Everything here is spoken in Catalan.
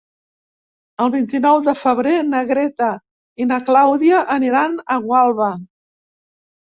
El vint-i-nou de febrer na Greta i na Clàudia aniran a Gualba.